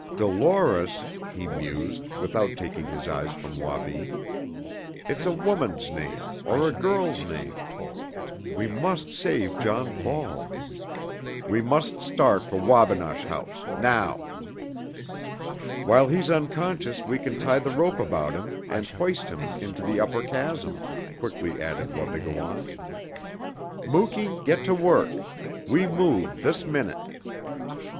"Dolores," he mused, without taking his eyes from Wabi. "It's a woman's name, or a girl's name. We must save John Ball! We must start for Wabinosh House now!" "While he's unconscious we can tie the rope about him and hoist him into the upper chasm," quickly added Wabigoon. "Muky, get to work. We move this minute!"